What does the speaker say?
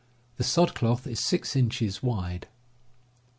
The sod cloth is 6 inches wide.